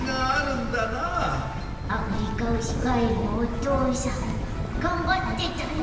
アフリカウシガエルのおとうさんがんばってたね！